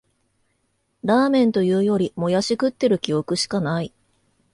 ラーメンというより、もやし食ってる記憶しかない